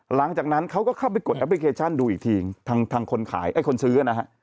หลังจากนั้นเขาก็เข้าไปกดแอปพลิเคชันดูอีกทีทางคนขายไอ้คนซื้อนะฮะ